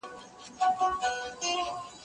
زه به اوږده موده قلم استعمالوم کړی وم؟